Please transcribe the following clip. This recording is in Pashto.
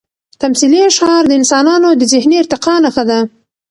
تمثیلي اشعار د انسانانو د ذهني ارتقا نښه ده.